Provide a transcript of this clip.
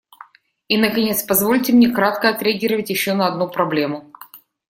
И наконец, позвольте мне кратко отреагировать еще на одну проблему.